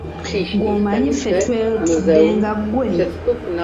Ggw'omanyi ffe twetudde nga ggwe?